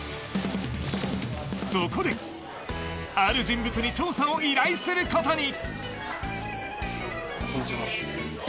そこである人物に調査を依頼することに。